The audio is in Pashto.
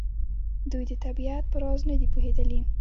دوی د طبیعت په راز نه دي پوهېدلي.